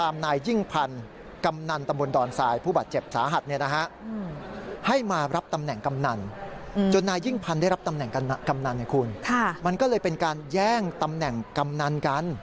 มันก็เลยเป็นการแย่งตำแหน่งกำนันกัน